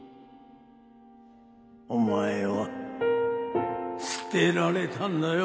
お前は捨てられたんだよ。